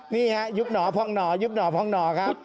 นี่ค่ะยุบหนอพ่องหนอครับ